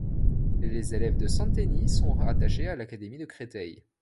Les élèves de Santeny sont rattachés à l'académie de Créteil.